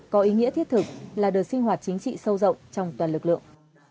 có ý nghĩa thiết thực là đợt sinh hoạt chính trị sâu rộng trong toàn lực lượng